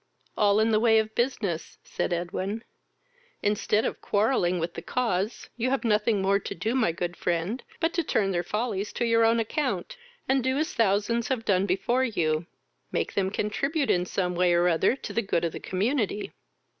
"All in the way of business, (said Edwin.) Instead of quarrelling with the cause, you have nothing more to do, my good friend, but to turn their follies to your own account, and do as thousands have done before you make them contribute in some way or other to the good of the community."